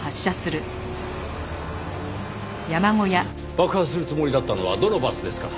爆破するつもりだったのはどのバスですか？